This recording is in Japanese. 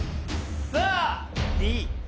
さあＤ。